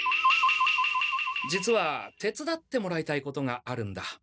実は手伝ってもらいたいことがあるんだ。